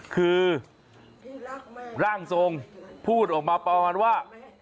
คือร่างโทรงพูดออกมาบอกมาก่อนว่า